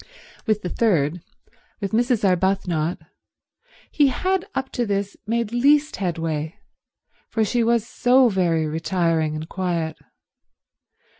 With the third, with Mrs. Arbuthnot, he had up to this made least headway, for she was so very retiring and quiet.